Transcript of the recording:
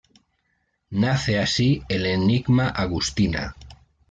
Nace así el enigma Agustina.